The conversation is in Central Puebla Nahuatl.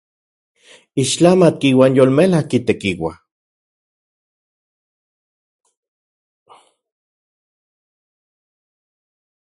¡Ixtlamatki uan yolmelajki tekiua!